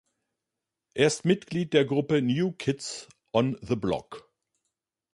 Er ist Mitglied der Gruppe New Kids on the Block.